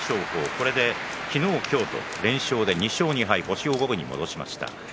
これで昨日今日と連勝で２勝２敗と星を五分に戻しました。